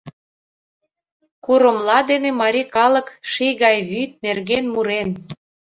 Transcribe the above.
Курымла дене марий калык ший гай вӱд нерген мурен.